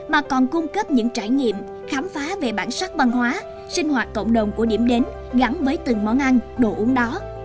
mà còn cung cấp những trải nghiệm khám phá về bản sắc văn hóa sinh hoạt cộng đồng của điểm đến gắn với từng món ăn đồ uống đó